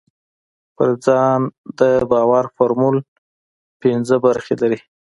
پر ځان د باور فورمول پينځه برخې لري.